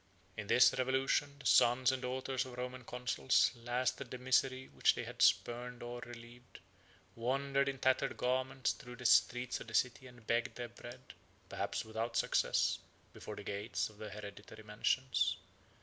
In this revolution, the sons and daughters of Roman consuls tasted the misery which they had spurned or relieved, wandered in tattered garments through the streets of the city and begged their bread, perhaps without success, before the gates of their hereditary mansions.